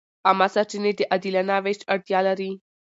عامه سرچینې د عادلانه وېش اړتیا لري.